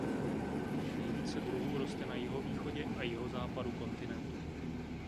Nejvíce druhů roste na jihovýchodě a jihozápadu kontinentu.